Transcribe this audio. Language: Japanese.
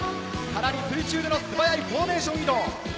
空中での素早いフォーメーション移動。